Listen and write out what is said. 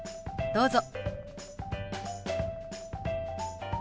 どうぞ。